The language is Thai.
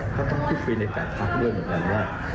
ก็ต้องพูดคุยใน๘พักด้วยเหมือนกันว่า